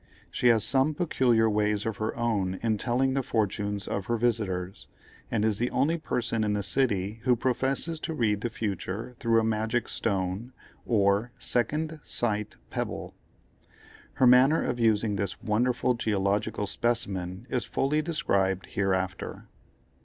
She has some peculiar ways of her own in telling the fortunes of her visitors, and is the only person in the city who professes to read the future through a magic stone, or "second sight pebble." Her manner of using this wonderful geological specimen is fully described hereafter.